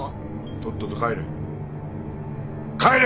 とっとと帰れ。